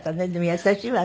優しいわね。